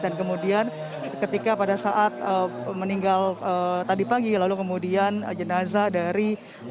dan kemudian ketika pada saat meninggal tadi pagi lalu kemudian jenazah dari